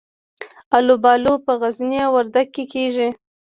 الوبالو په غزني او وردګو کې کیږي.